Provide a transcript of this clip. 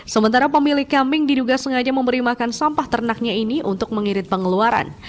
sementara pemilik kambing diduga sengaja memberi makan sampah ternaknya ini untuk mengirit pengeluaran